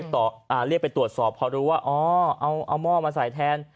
เรียกไปตรวจสอบพอรู้ว่าอ๋อเอาหม้อมาใส่แทน